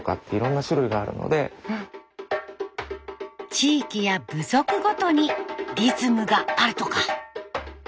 地域や部族ごとにリズムがあるとか。